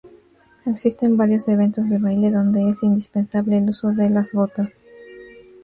Existen varios eventos de baile donde es indispensable el uso de las botas.